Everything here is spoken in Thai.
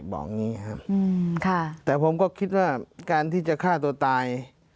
อย่างนี้ครับแต่ผมก็คิดว่าการที่จะฆ่าตัวตาย